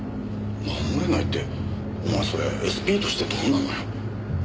守れないってお前それＳＰとしてどうなのよ？